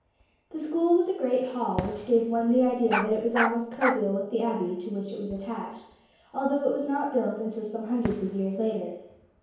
The School was a great hall, which gave one the idea that it was almost coeval with the abbey to which it was attached, although it was not built until some hundreds of years later.